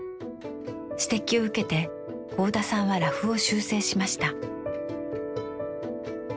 指摘を受けて合田さんはラフを修正しました。